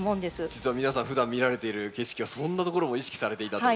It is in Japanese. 実は皆さんふだん見られている景色はそんなところも意識されていたと。